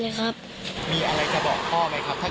มีอะไรแบบบอกพ่อไงครับถ้าจะต้องมีพ่อฟังอยู่นะครับ